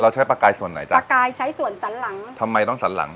ใช้ปลากายส่วนไหนจ้ะปลากายใช้ส่วนสันหลังทำไมต้องสันหลัง